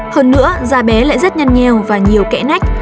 hơn nữa da bé lại rất nhăn nheo và nhiều kẽ nách